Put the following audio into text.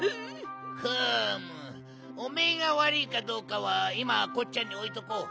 ふむおめえがわるいかどうかはいまはこっちゃにおいとこう。